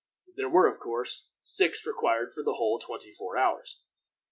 There were, of course, six required for the whole twenty four hours.